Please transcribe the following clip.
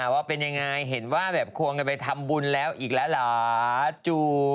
ว่าเป็นอย่างไรเห็นว่าควรจะไปทำบุญแล้วอีกแล้วหรอ